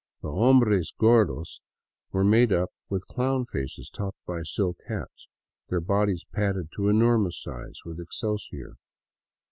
The " Hombres Gor dos " were made up with clown faces topped by silk hats, their bodies padded to enormous size with excelsior.